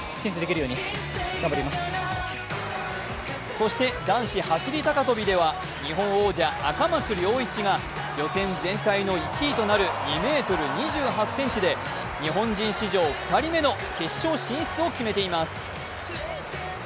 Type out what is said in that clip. そして男子走り高跳びでは日本王者、赤松諒一が日本全体の１位となる２ｍ２８ｃｍで、日本人史上２人目の決勝進出を決めています。